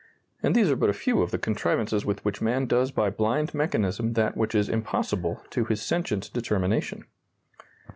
And these are but a few of the contrivances with which man does by blind mechanism that which is impossible to his sentient determination.